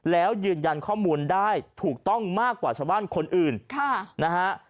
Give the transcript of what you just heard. แล้วยืนยันข้อมูลได้ถูกต้องมากกว่าชาวบ้านคนอื่นค่ะนะฮะ